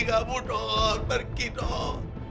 kamu dong pergi dong